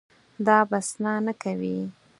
دا بسنه نه کوي.